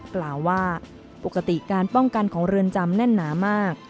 กล่าวว่าปกติการป้องกันของเรือนจำแน่นหนามาก